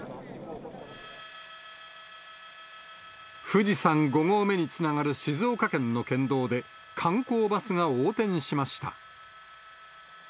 富士山５合目につながる静岡県の県道で、観光バスが横転しました。